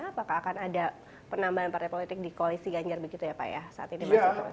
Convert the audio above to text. apakah akan ada penambahan partai politik di koalisi ganjar begitu ya pak ya saat ini masih terus